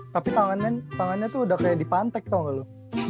tapi tangannya tuh udah kayak dipantek tau gak lu